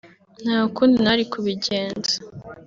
nta kundi nari kubigenza